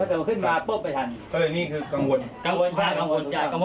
พอเติมขึ้นมาปุ๊บไปทันก็เลยนี่คือกังวลกังวลใช่กังวล